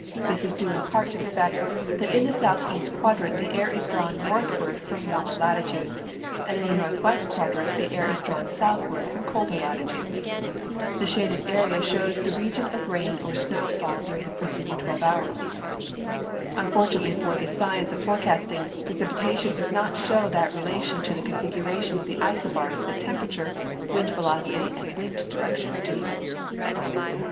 This is due in part to the fact that in the southeast quadrant the air is drawn northward from warmer latitudes, and in the northwest quadrant the air is drawn southward from colder latitudes. The shaded area shows the region of rain or snow fall during the preceding 12 hours. Unfortunately for the science of forecasting, precipi tation does not show that relation to the configuration of the isobars that temperature, wind velocity, and wind direction do.